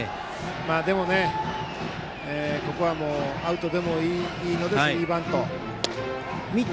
でも、ここはアウトでもいいのでスリーバント。